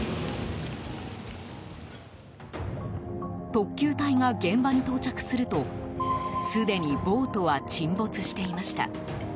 特救隊が現場に到着するとすでにボートは沈没していました。